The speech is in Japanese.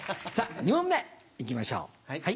２問目行きましょう。